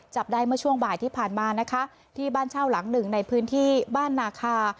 จับได้เมื่อช่วงบ่ายที่ผ่านมานะคะที่บ้านเช่าหลังหนึ่งในพื้นที่บ้านนาคา